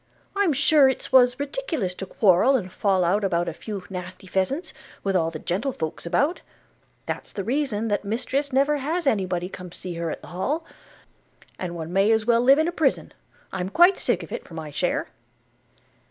I'm sure it's was ridiculous to quarrel and fall out about a few nasty pheasants, with all the gentlefolks about. That's the reason that Mistress never has nobody come to see her at the Hall; and one may as well live in a prison. I'm quite sick of it, for my share.'